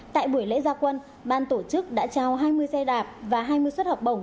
tại buổi lễ gia quân ban tổ chức đã trao hai mươi xe đạp và hai mươi suất học bổng